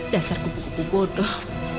dasar kebuk kebuk bodoh